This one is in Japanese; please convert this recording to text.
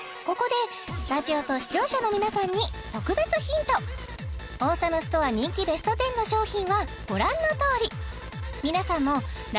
ここでスタジオと視聴者の皆さんに特別ヒントオーサムストア人気ベスト１０の商品はご覧のとおり皆さんもＮｏ．１